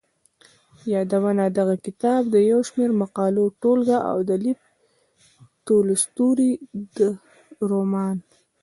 يادونه دغه کتاب د يو شمېر مقالو ټولګه او د لېف تولستوري د رومان.